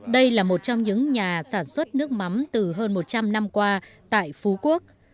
đây là một trong những nhà sản xuất nước mắm từ hơn một trăm linh năm qua tại phú quốc